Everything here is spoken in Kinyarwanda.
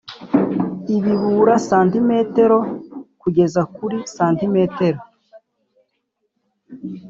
ibiburira cm kugeza kuri cm